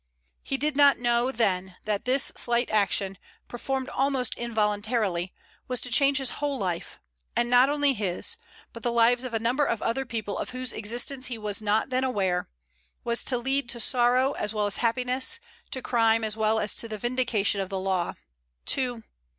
He did not know then that this slight action, performed almost involuntarily, was to change his whole life, and not only his, but the lives of a number of other people of whose existence he was not then aware, was to lead to sorrow as well as happiness, to crime as well as the vindication of the law, to...